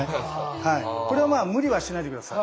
はいこれは無理はしないで下さい。